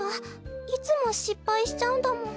いつもしっぱいしちゃうんだもん。